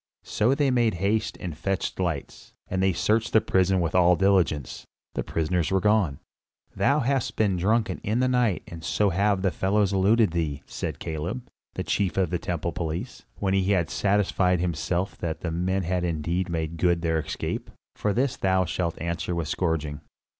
So they made haste and fetched lights, and they searched the prison with all diligence. The prisoners were gone. "Thou hast been drunken in the night and so have the fellows eluded thee," said Caleb, the chief of the temple police, when he had satisfied himself that the men had indeed made good their escape. "For this shalt thou answer with a scourging."